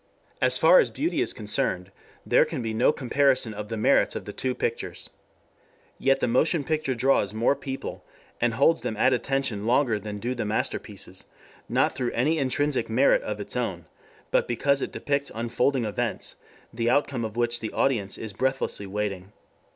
As far as beauty is concerned there can be no comparison of the merits of the two pictures. Yet the motion picture draws more people and holds them at attention longer than do the masterpieces, not through any intrinsic merit of its own, but because it depicts unfolding events, the outcome of which the audience is breathlessly waiting.